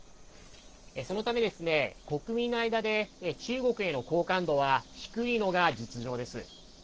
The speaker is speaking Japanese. そのため国民の間で中国への好感度は低いのが実情です。